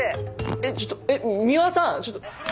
えっちょっと三輪さん！